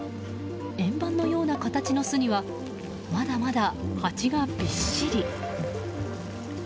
円盤のような形の巣にはまだまだハチがびっしり。